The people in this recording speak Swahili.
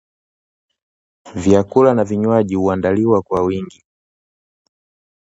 Vyakula na vinywaji huandaliwa kwa wingi